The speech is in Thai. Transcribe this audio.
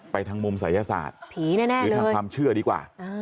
ทางมุมศัยศาสตร์ผีแน่หรือทางความเชื่อดีกว่า